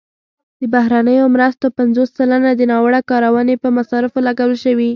د بهرنیو مرستو پنځوس سلنه د ناوړه کارونې په مصارفو لګول شوي.